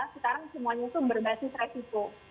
sekarang semuanya itu berbasis resiko